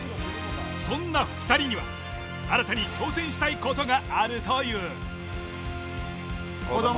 そんな２人には新たに挑戦したいことがあるという！